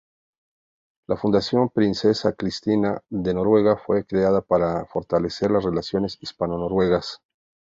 La Fundación Princesa Kristina de Noruega fue creada para fortalecer las relaciones hispano-noruegas.